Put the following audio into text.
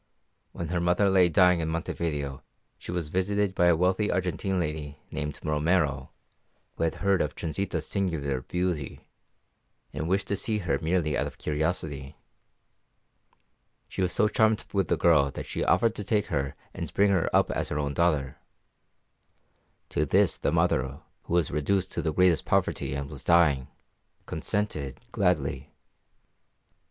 When her mother lay dying in Montevideo she was visited by a wealthy Argentine lady named Romero, who had heard of Transita's singular beauty, and wished to see her merely out of curiosity. She was so charmed with the girl that she offered to take her and bring her up as her own daughter. To this the mother, who was reduced to the greatest poverty and was dying, consented gladly.